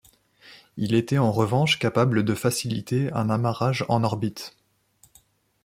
Il était en revanche capable de faciliter un amarrage en orbite.